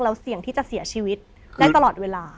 เสี่ยงที่จะเสียชีวิตได้ตลอดเวลา